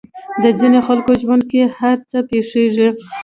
د ځينې خلکو ژوند کې هر څه پېښېږي.